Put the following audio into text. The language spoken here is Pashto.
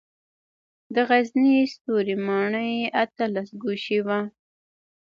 د غزني ستوري ماڼۍ اتلس ګوشې وه